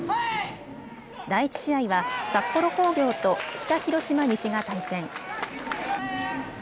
第１試合は札幌工業と北広島西が対戦。